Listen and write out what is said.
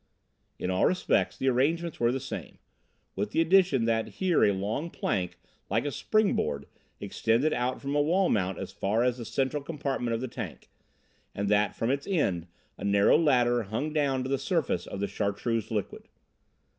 In all respects the arrangements were the same, with the addition that here a long plank like a spring board extended out from a wall mount as far as the central compartment of the tank, and that from its end a narrow ladder hung down to the surface of the Chartreuse liquid.